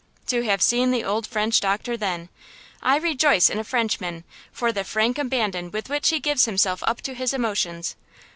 To have seen the old French doctor then! I rejoice in a Frenchman, for the frank abandon with which he gives himself up to his emotions!